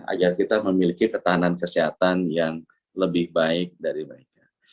agar kita memiliki ketahanan kesehatan yang lebih baik dari mereka